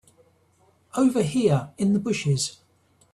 Over here in the bushes.